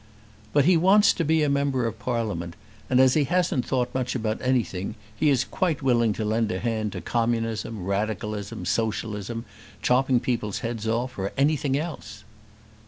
"But he wants to be a member of Parliament; and, as he hasn't thought much about anything, he is quite willing to lend a hand to communism, radicalism, socialism, chopping people's heads off, or anything else."